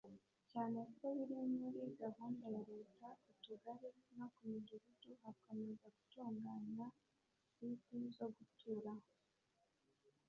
Cyane ko biri muri gahunda ya Leta ku tugari no ku midugudu hakomeza gutungwanywa site zo guturaho